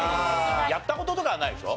やった事とかはないでしょ？